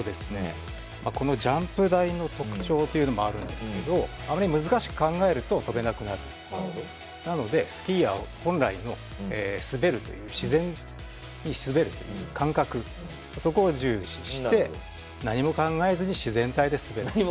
このジャンプ台の特徴というのもあるんですけどあまり難しく考えるととべなくなるなのでスキーヤー本来の滑るという自然に滑るという感覚、そこを重視して何も考えずに自然体で滑ると。